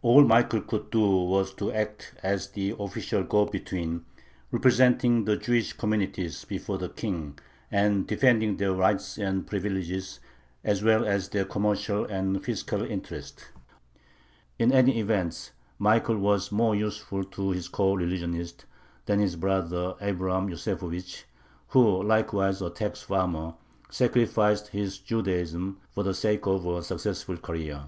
All Michael could do was to act as the official go between, representing the Jewish communities before the King and defending their rights and privileges as well as their commercial and fiscal interests. In any event Michael was more useful to his coreligionists than his brother Abraham Yosefovich, who, likewise a tax farmer, sacrificed his Judaism for the sake of a successful career.